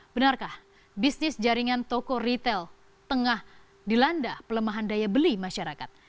benarkah bisnis jaringan toko retail tengah dilanda pelemahan daya beli masyarakat